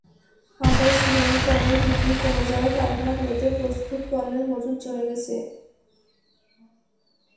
আবার সিরামিক পণ্যের বিক্রি কমে যাওয়ায় কারখানাগুলোতে প্রস্তুত পণ্যের মজুত জমে গেছে।